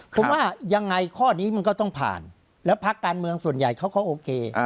ผมว่ายังไงข้อนี้มันก็ต้องผ่านแล้วพักการเมืองส่วนใหญ่เขาก็โอเค